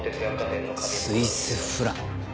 スイスフラン。